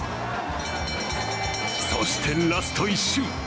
そしてラスト１周。